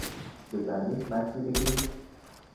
دەزانیت ماسی بگریت؟